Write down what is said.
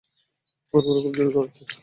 কুকুরগুলো খুব জোরে দৌড়াচ্ছে।